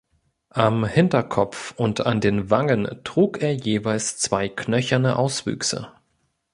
Am Hinterkopf und an den Wangen trug er jeweils zwei knöcherne Auswüchse.